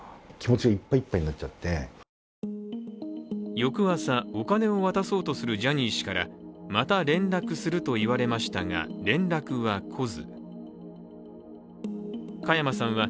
翌朝、お金を渡そうとするジャニー氏からまた連絡すると言われましたが連絡は来ず。